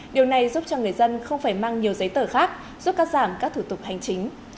điều này giúp cho người dân không phải mang nhiều giấy tờ khác giúp cắt giảm các thủ tục hành chính